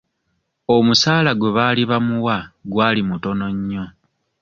Omusaala gwe baali bamuwa gwali mutono nnyo.